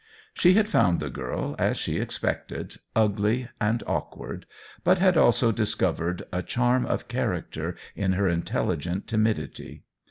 She had found the girl, as she expected, ugly and awkward, but had also discovered a charm of character in her intelligent timid ity.